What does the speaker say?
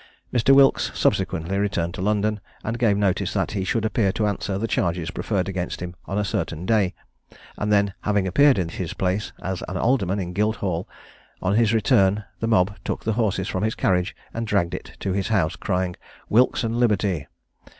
Mr. Wilkes subsequently returned to London, and gave notice that he should appear to answer the charges preferred against him on a certain day; and then having appeared in his place, as an alderman, in Guildhall, on his return, the mob took the horses from his carriage and dragged it to his house, crying "Wilkes and liberty!"